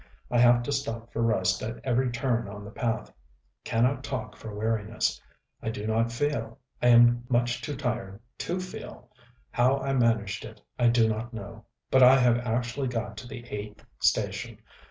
I have to stop for rest at every turn on the path; cannot talk for weariness.... I do not feel; I am much too tired to feel.... How I managed it, I do not know; but I have actually got to the eighth station!